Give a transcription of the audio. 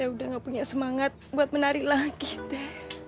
saya udah gak punya semangat buat menari lagi tete